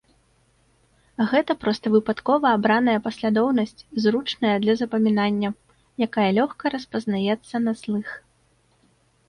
Гэта проста выпадкова абраная паслядоўнасць, зручная для запамінання, якая лёгка распазнаецца на слых.